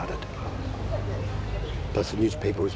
คิดว่าเกิดอะไรขึ้น